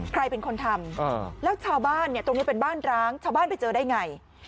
ใครเป็นคนทำแล้วชาวบ้านเนี่ยตรงนี้เป็นบ้านร้างชาวบ้านไปเจอได้ไง